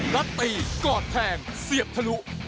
นัดตีกอดแทงเสียบทะลุ